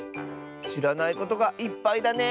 しらないことがいっぱいだね。